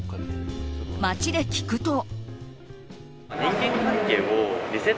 街で聞くと。